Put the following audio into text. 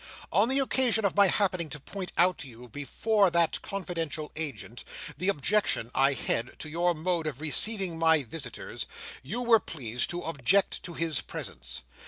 On the occasion of my happening to point out to you, before that confidential agent, the objection I had to your mode of receiving my visitors, you were pleased to object to his presence.